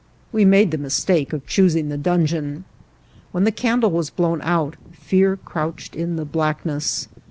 We made the mistake of choosing the dungeon. When the candle was blown out fear crouched in the blackness.